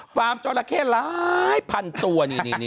ฟาร์มจอราเคร้ายพันตัวนี่